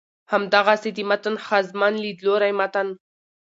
همدغسې د متن ښځمن ليدلورى متن